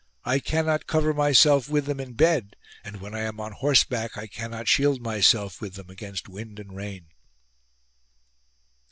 I cannot cover myself with them in bed and when I am on horseback I cannot shield myself with them against wind and rain."